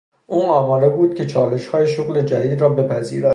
او آماده بود که چالشهای شغل جدید را بپذیرد.